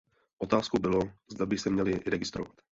Otázkou bylo, zda by se měly registrovat.